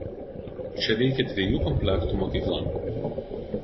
Čia veikė dviejų komplektų mokykla.